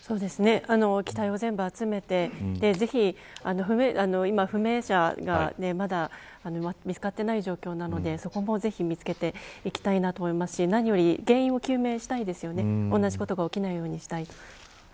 機体を全部集めて今、不明者が見つかっていない状況なのでそこもぜひ見つけていきたいと思いますし何より、原因を究明したいですね同じことが起きないように。